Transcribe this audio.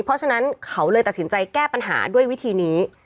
เพราะฉะนั้นเขาเลยตัดสินใจแก้ปัญหาด้วยวิธีนี้